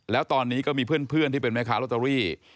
แล้วตอนนี้ก็มีเพื่อนที่เป็นแม่ค้าลอตเตอรี่